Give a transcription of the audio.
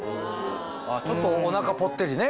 ちょっとお腹ぽってりね